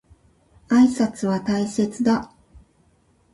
挨拶は大切だ。